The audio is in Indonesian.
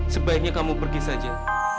sebaiknya kamu pergi saja